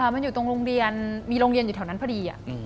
มันอยู่ตรงโรงเรียนมีโรงเรียนอยู่แถวนั้นพอดี